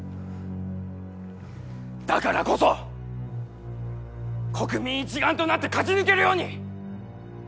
だからこそ国民一丸となって勝ち抜けるように！